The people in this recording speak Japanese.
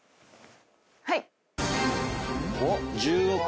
はい！